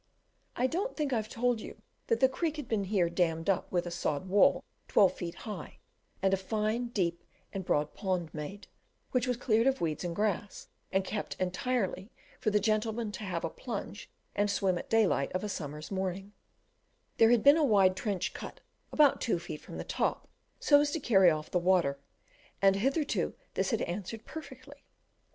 I don't think I have told you that the creek had been here dammed up with a sod wall twelve feet high, and a fine deep and broad pond made, which was cleared of weeds and grass, and kept entirely for the gentlemen to have a plunge and swim at daylight of a summer's morning; there had been a wide trench cut about two feet from the top, so as to carry off the water, and hitherto this had answered perfectly.